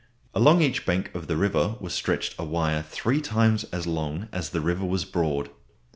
Along each bank of the river was stretched a wire three times as long as the river was broad.